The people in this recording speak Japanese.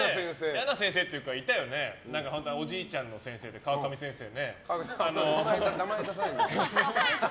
嫌な先生っていうかいたよね、おじいちゃんの先生で名前出さないでください。